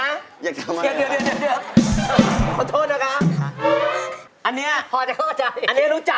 อยากทำอะไรเหรอคะ